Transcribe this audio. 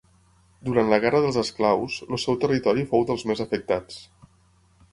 Durant la Guerra dels esclaus, el seu territori fou dels més afectats.